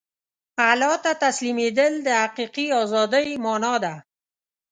الله ته تسلیمېدل د حقیقي ازادۍ مانا ده.